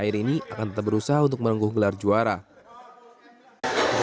persipura jayapura merupakan tim kebanggaan masyarakat papua